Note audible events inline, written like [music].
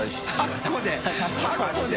８個で [laughs]